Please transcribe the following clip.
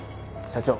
社長